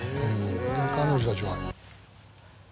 彼女たちは。